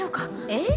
えっ？